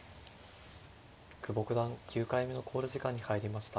久保九段９回目の考慮時間に入りました。